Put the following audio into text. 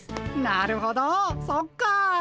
なるほどそっか。